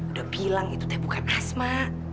udah bilang itu teh bukan asma